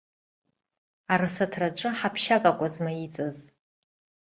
Арасаҭраҿы ҳаԥшьак акәызма иҵаз?